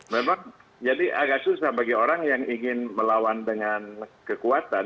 memang jadi agak susah bagi orang yang ingin melawan dengan kekuatan